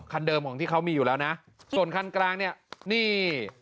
คันเดิมของที่เขามีอยู่แล้วนะส่วนคันกลางเนี่ยนี่